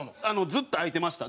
ずっと空いてました。